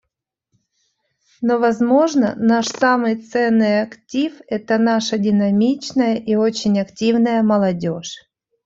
Но, возможно, наш самый ценный актив — это наша динамичная и очень активная молодежь.